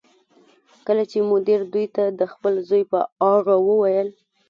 کله چې مدیر دوی ته د خپل زوی په اړه وویل